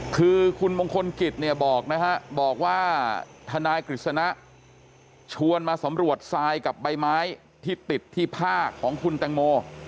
คือคุณมงคลกิจเนี่ยบอกนะฮะบอกว่าทนายกฤษณะชวนมาสำรวจทรายกับใบไม้ที่ติดที่ผ้าของคุณแตงโม